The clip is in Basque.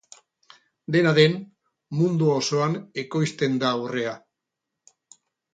Dena den, mundu osoan ekoizten da urrea.